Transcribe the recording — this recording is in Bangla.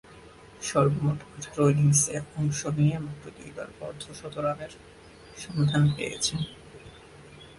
সর্বমোট আঠারো ইনিংসে অংশ নিয়ে মাত্র দুইবার অর্ধ-শতরানের সন্ধান পেয়েছেন।